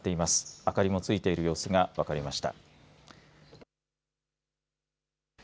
明かりもついている様子が分かりました。